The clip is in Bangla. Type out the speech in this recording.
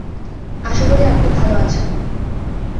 আশা করি আপনি ভালো আছেন।